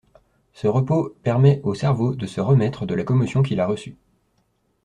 Ce repos permet au cerveau de se remettre de la commotion qu'il a reçue.